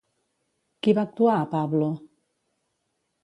Qui va actuar a Pablo?